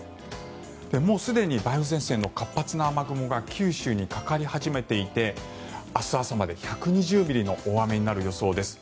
もうすでに梅雨前線の活発な雨雲が九州にかかり始めていて明日朝まで１２０ミリの大雨になる予想です。